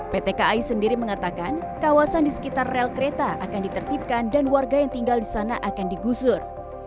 pt kai sendiri mengatakan kawasan di sekitar rel kereta akan ditertipkan dan warga yang tinggal di sana akan digusur